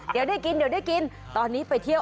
เดี๋ยวได้กิน